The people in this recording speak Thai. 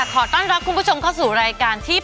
ขอต้อนรับคุณผู้ชมเข้าสู่รายการที่